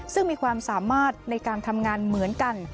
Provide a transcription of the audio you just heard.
ซึ่งมีความสามารถในการทำงานเหมือนกัน